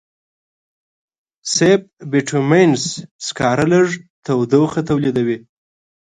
سب بټومینس سکاره لږ تودوخه تولیدوي.